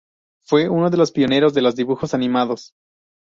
Fue uno de los pioneros de los dibujos animados.